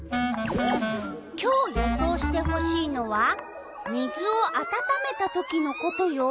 今日予想してほしいのは「水をあたためたときのこと」よ。